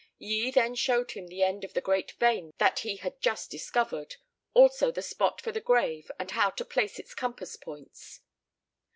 Yi then showed him the end of the great vein that he had just discovered, also the spot for the grave and how to place its compass points.